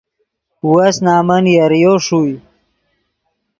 وس نمن یریو ݰوئے